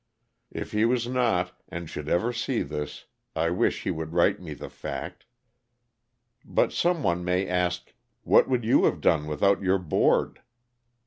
If he was not, and should ever see this, I wish he would write me the fact. But some one may ask, *' what would you have done without your board?"